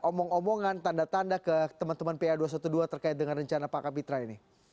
omong omongan tanda tanda ke teman teman pa dua ratus dua belas terkait dengan rencana pak kapitra ini